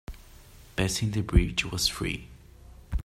Passing the bridge was free.